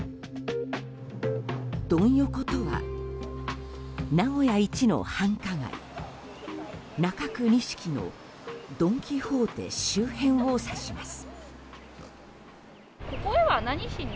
ドン横とは、名古屋一の繁華街中区錦のドン・キホーテ周辺を指します。